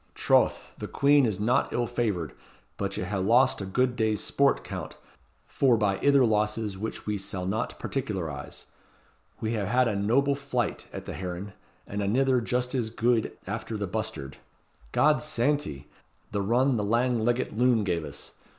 Troth! the quean is not ill favoured; but ye ha' lost a gude day's sport, Count, forbye ither losses which we sall na particularize. We hae had a noble flight at the heron, and anither just as guid after the bustard. God's santy! the run the lang leggit loon gave us.